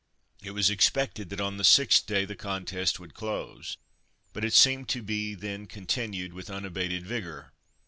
It was expected that on the sixth day the contest would close, but it seemed to be then continued with unabated vigour.